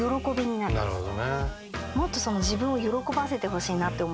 なるほど。